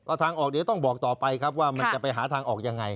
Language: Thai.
ทางออกเดี๋ยวต้องบอกต่อไปครับว่ามันจะไปหาทางออกยังไง